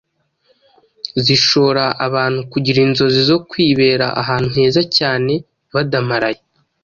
zishora abantu kugira inzozi zo kwibera ahantu heza cyane badamaraye.